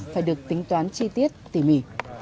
phải được tính toán chi tiết tỉ mỉ